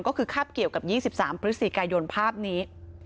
ก็คือคาบเกี่ยวกับ๒๓พฤศจิกายนภาพนี้